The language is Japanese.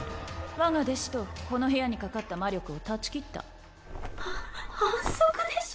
我が弟子とこの部屋にかかった魔力を断ち切った。は反則でしょ。